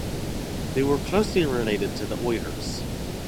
They were closely related to the Uyghurs.